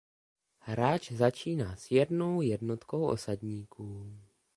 Hráč začíná s jednou jednotkou osadníků.